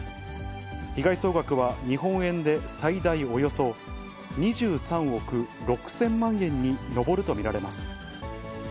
被害総額は日本円で最大およそ２３億６０００万円に上ると見られます。